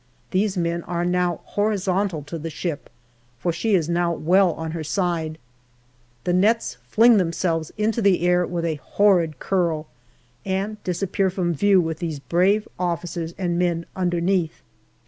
These men are now horizontal to the ship, for she is now well on her side, The nets fling themselves into the air with a horrid curl, and disappear from view with these brave officers and men underneath.